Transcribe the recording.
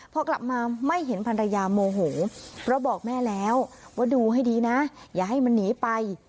พอกลับมาไม่เห็นภรรยาโมโหเพราะบอกแม่แล้วว่าดูให้ดีนะอย่าให้มันหนีไป